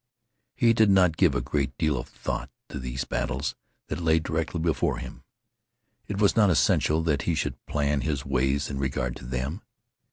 He did not give a great deal of thought to these battles that lay directly before him. It was not essential that he should plan his ways in regard to them.